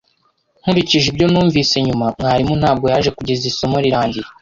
Nkurikije ibyo numvise nyuma, mwarimu ntabwo yaje kugeza isomo rirangiye.